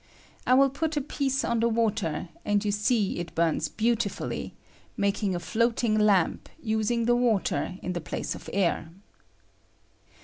I will pnt a piece t the water, and you see it bums beautifully, I making a floating lamp, using the water in the I place of air.